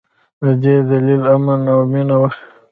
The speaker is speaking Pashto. د دې دلیل امن او مینه وه.